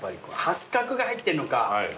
八角が入ってんのか。